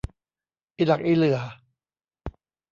อิหลักอิเหลื่อ